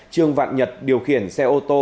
trương vạn nhật điều khiển xe ô tô